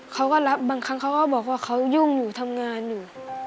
เขาก็รับบางครั้งเขาก็บอกว่าเขายุ่งหนูทำงานอยู่